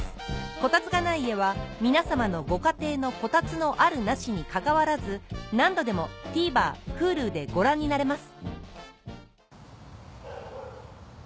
『コタツがない家』は皆さまのご家庭のコタツのあるなしにかかわらず何度でもＴＶｅｒＨｕｌｕでご覧になれます